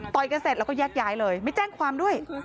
กันเสร็จแล้วก็แยกย้ายเลยไม่แจ้งความด้วย